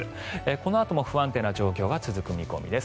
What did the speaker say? このあとも不安定な状況が続く見込みです。